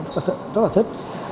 mình rất là thích